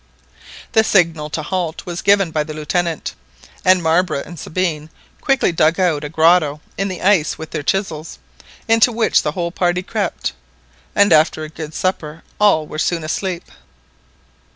The signal to halt was given by the Lieutenant, and Marbre and Sabine quickly dug out a grotto in the ice with their chisels, into which the whole party crept, and after a good supper all were soon asleep.